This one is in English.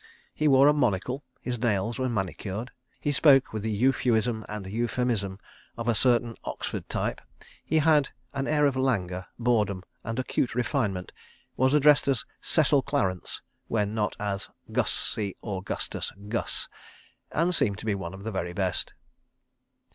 He wore a monocle, his nails were manicured, he spoke with the euphuism and euphemism of a certain Oxford type, he had an air of languor, boredom and acute refinement, was addressed as Cecil Clarence, when not as Gussie Augustus Gus, and seemed to be one of the very best.